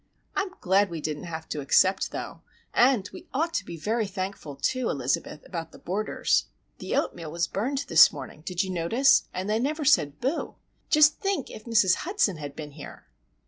I'm glad we didn't have to accept, though;—and we ought to be very thankful, too, Elizabeth, about the boarders. The oatmeal was burned this morning,—did you notice?—and they never said 'boo'! Just think, if Mrs. Hudson had been here!"